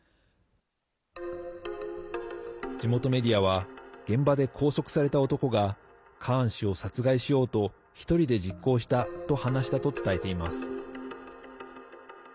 地元メディアは現場で拘束された男がカーン氏を殺害しようと１人で実行したと話したと伝えています。